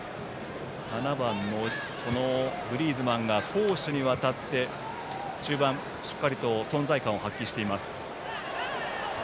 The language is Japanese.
７番のグリーズマンが攻守にわたって中盤、しっかりと存在感を発揮しています。